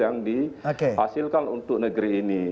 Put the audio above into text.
yang dihasilkan untuk negeri